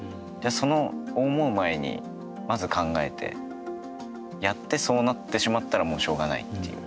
その思う前にまず考えてやってそうなってしまったらもうしょうがないっていう。